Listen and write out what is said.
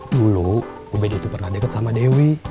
dulu ubed itu pernah dekat sama dewi